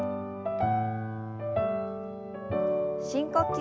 深呼吸。